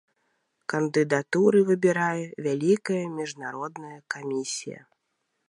Кандыдатуры выбірае вялікая міжнародная камісія.